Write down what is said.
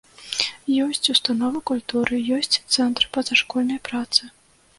Ёсць установы культуры, ёсць цэнтры пазашкольнай працы.